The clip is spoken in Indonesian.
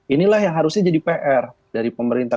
inilah yang harusnya jadi pr dari pemerintah